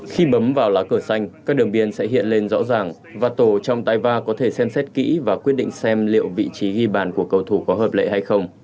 khi bấm vào lá cờ xanh các đường biên sẽ hiện lên rõ ràng và tổ trong tay va có thể xem xét kỹ và quyết định xem liệu vị trí ghi bàn của cầu thủ có hợp lệ hay không